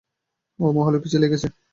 ও মহলের পিছে লাগছে।